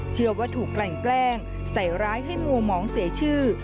เชื่อว่าถูกกลั่นแกล้งใส่ร้ายให้มัวหมองเสียชื่อ